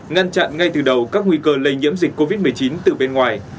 ngăn chặn ngay từ đầu các nguy cơ lây nhiễm dịch covid một mươi chín từ bên ngoài